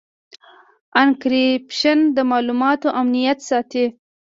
انکریپشن د معلوماتو امنیت ساتي.